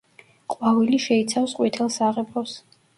ყვავილი შეიცავს ყვითელ საღებავს.